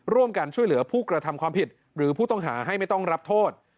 ร่วมกันช่วยเหลือผู้กระทำความผิดหรือผู้ต้องหาให้ไม่ต้องรับโทษ